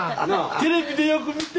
テレビでよく見た！